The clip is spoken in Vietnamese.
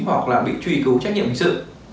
hoặc là bị truy cứu trách nhiệm hình sự